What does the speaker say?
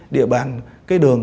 địa bàn đường